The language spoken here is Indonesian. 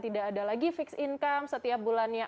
tidak ada lagi fixed income setiap bulannya